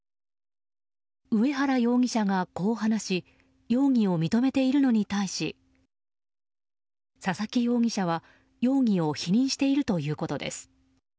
上原容疑者がこう話し容疑を認めているのに対し佐々木容疑者は容疑を否認しているということです。